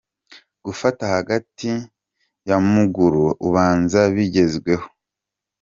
Gufata hagati ya muguru ubanza bigezweho.